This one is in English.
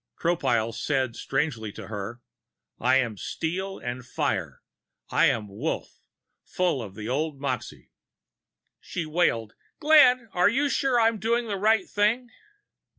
Tropile said strangely to her: "I am steel and fire. I am Wolf, full of the old moxie." She wailed: "Glenn, are you sure I'm doing the right thing?"